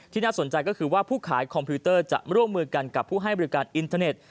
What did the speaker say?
น่าสนใจก็คือว่าผู้ขายคอมพิวเตอร์จะร่วมมือกันกับผู้ให้บริการอินเทอร์เน็ต